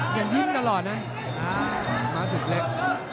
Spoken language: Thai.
อย่างทิ้งตลอดนะมาสุดเล็ก